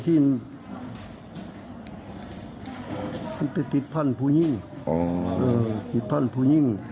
แต่อันนี้